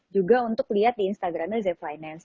juga untuk lihat di instagramnya ze finance